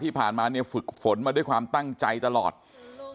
คุณยายบอกว่ารู้สึกเหมือนใครมายืนอยู่ข้างหลัง